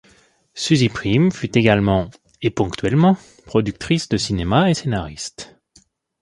Suzy Prim fut également, et ponctuellement, productrice de cinéma et scénariste.